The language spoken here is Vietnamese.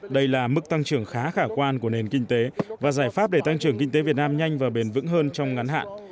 đây là mức tăng trưởng khá khả quan của nền kinh tế và giải pháp để tăng trưởng kinh tế việt nam nhanh và bền vững hơn trong ngắn hạn